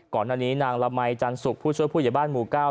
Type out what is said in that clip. ก่อนนานนี้นางระมัยจรรทรุก๋ผู้ช่วยผู้ใหญ่บ้านหมู่ก้าว